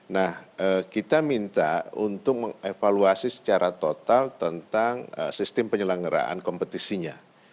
nah kita minta untuk mengevaluasi secara total tentang sistem penyelenggaraan kompetisinya